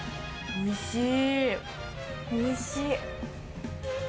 おいしい。